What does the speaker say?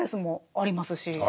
あります。